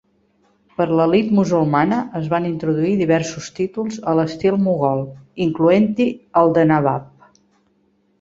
Per l'elit musulmana es van introduir diversos títols a l'estil mogol, incloent-hi el de nabab.